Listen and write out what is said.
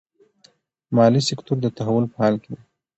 مالي سکتور د تحول په حال کې دی.